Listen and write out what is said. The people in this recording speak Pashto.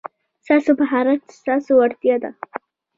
ستاسو مهارت ستاسو وړتیا ده.